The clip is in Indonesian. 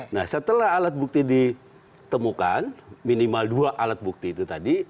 nah setelah alat bukti ditemukan minimal dua alat bukti itu tadi